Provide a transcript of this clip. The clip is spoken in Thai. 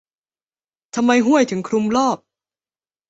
ทำไมห้วยถึงคลุมรอบ ?